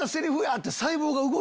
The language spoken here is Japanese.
って。